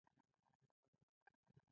خوشحال خان هم په روانه ژبه شعر ویلی.